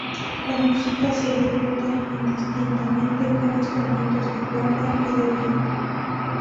La música se ejecuta indistintamente con instrumentos de cuerda o de viento.